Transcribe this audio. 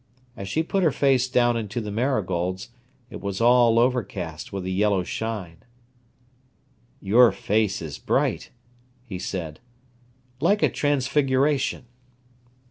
As she put her face down into the marigolds, it was all overcast with a yellow shine. "Your face is bright," he said, "like a transfiguration."